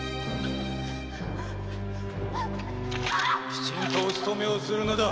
きちんとお勤めをするのだ。